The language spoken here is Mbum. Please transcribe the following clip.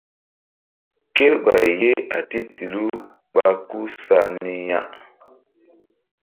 Kerɓay ye a titilu ɓa ku sa ni ya.